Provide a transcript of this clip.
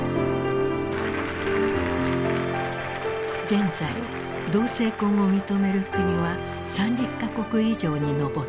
現在同性婚を認める国は３０か国以上に上っている。